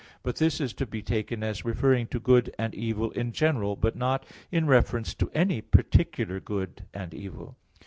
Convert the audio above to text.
But this is to be taken as referring to good and evil in general, but not in reference to any particular good and evil.